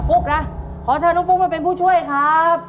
ุ๊กนะขอเชิญน้องฟุ๊กมาเป็นผู้ช่วยครับ